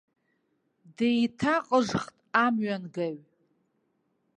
Деиҭаҟыжхт амҩангаҩ.